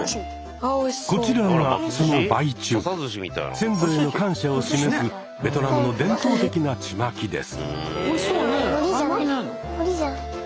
先祖への感謝を示すベトナムの伝統的な「ちまき」です。